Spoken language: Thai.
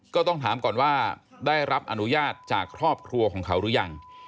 ก็ต้องถามก่อนว่าได้รับอนุญาตจากครอบครัวของเขาหรือยัง